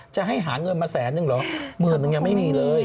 จะให้หาเงินมาแสนนึงเหรอหมื่นนึงยังไม่มีเลย